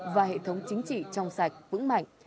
và hệ thống chính trị trong sạch vững mạnh